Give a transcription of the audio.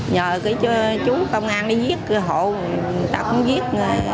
nhờ cái chú công an đi giết hộ người ta cũng giết